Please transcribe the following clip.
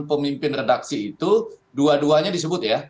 pemimpin redaksi itu dua duanya disebut ya